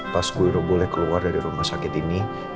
pas gue udah boleh keluar dari rumah sakit ini